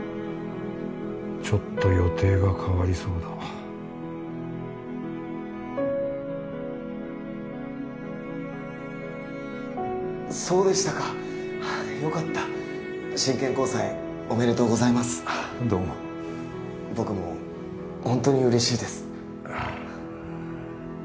ちょっと予定が変わりそうだそうでしたかよかった真剣交際おめでとうございますああどうも僕もほんとに嬉しいですああ